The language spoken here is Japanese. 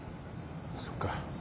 そっか。